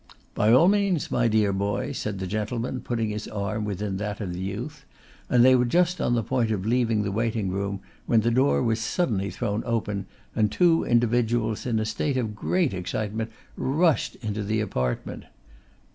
'By all means, my dear boy,' said the gentleman, putting his arm within that of the youth; and they were just on the point of leaving the waiting room, when the door was suddenly thrown open, and two individuals, in a state of great excitement, rushed into the apartment.